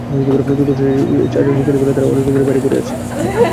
চতুর্থ শ্রেণির চারজন শিক্ষার্থী বলে, তারা অনেক দিন ধরে বাইরে পড়ছে।